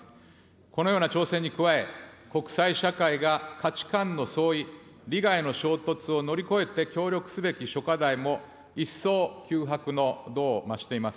このような挑戦に加え、国際社会が価値観の相違、利害の衝突を乗り越えて協力すべき諸課題も一層急迫の度を増しています。